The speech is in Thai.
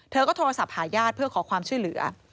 ก็โทรศัพท์หาญาติเพื่อขอความช่วยเหลือ